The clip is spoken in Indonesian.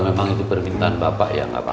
lagi lagi itu juga sama sama banget